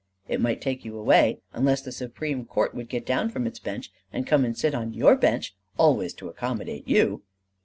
"It might take you away unless the Supreme Court would get down from its Bench and come and sit on your bench always to accommodate you."